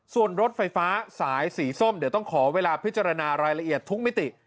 ส่วนรถไฟฟ้าสายสีส้มเดี๋ยวต้องขอเวลาพิจารณารายละเอียดทุกมิติ